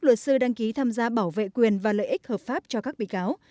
bốn mươi một luật sư đăng ký tham gia bảo vệ quyền và lợi ích hợp pháp cho các bị cáo